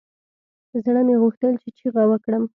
زړه مې غوښتل چې چيغه وکړم.